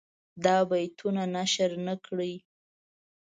دا بیتونه نشر نه کړي.